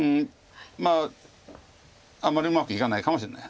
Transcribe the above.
まああんまりうまくいかないかもしれない。